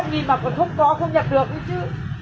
bốn trăm linh nghìn mà còn không có không nhập được nữa chứ